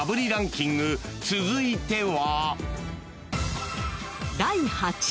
［続いては］